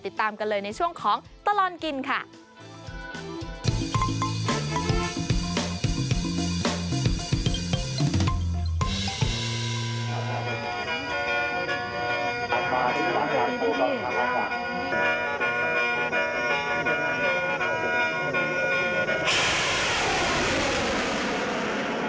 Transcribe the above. ติดตามกันเลยในช่วงของตลอดกินค่ะ